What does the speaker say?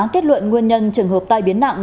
kết luận nguyên nhân trường hợp tai biến nặng